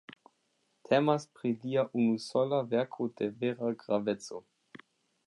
Temas pri lia unusola verko de vera graveco.